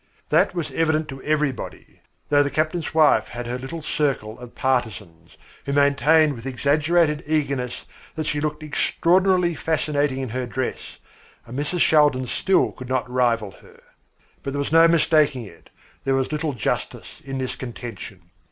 That was evident to everybody, though the captain's wife had her little group of partisans, who maintained with exaggerated eagerness that she looked extraordinarily fascinating in her dress and Mrs. Shaldin still could not rival her. But there was no mistaking it, there was little justice in this contention.